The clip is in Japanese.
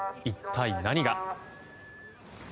一体何が。